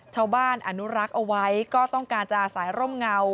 อนุรักษ์เอาไว้ก็ต้องการจะอาศัยร่มเงา